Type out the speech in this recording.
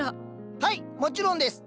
はいもちろんです！